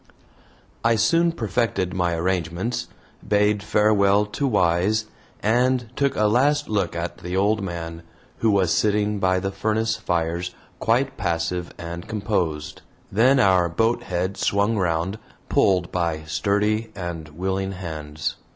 I soon perfected my arrangements, bade farewell to Wise, and took a last look at the old man, who was sitting by the furnace fires quite passive and composed. Then our boat head swung round, pulled by sturdy and willing hands.